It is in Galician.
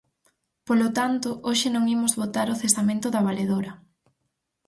Polo tanto, hoxe non imos votar o cesamento da valedora.